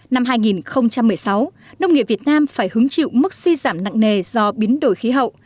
năm hai nghìn một mươi sáu nông nghiệp việt nam phải hứng chịu mức suy giảm nặng nề do biến đổi khí hậu